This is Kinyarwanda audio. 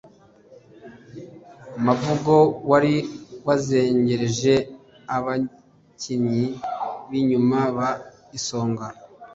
Mavugo wari wazengereje abakinnyi b’inyuma ba Isonga